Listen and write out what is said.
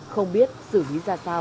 không biết xử lý ra sao